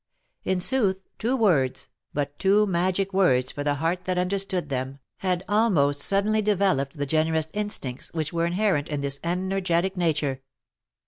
In sooth, two words, but two magic words for the heart that understood them, had almost suddenly developed the generous instincts which were inherent in this energetic nature.